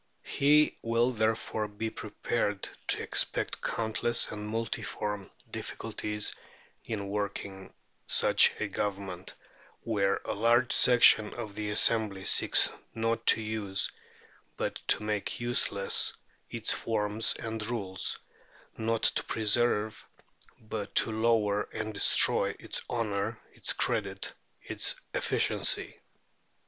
He will therefore be prepared to expect countless and multiform difficulties in working such a Government, where a large section of the assembly seeks not to use, but to make useless, its forms and rules not to preserve, but to lower and destroy, its honour, its credit, its efficiency.